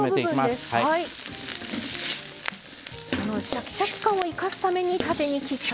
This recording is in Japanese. シャキシャキ感を生かすために縦に切ったという。